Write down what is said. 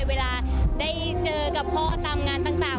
เวลาได้เจอกับพ่อตามงานต่าง